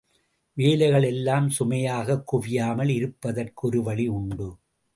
வேலைகள் எல்லாம் சுமையாகக் குவியாமல் இருப்பதற்கு ஒரு வழி உண்டு.